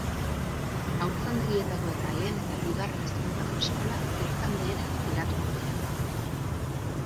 Haurtzaindegietako eta lehen eta bigarren hezkuntzako eskolak bertan behera geratuko dira.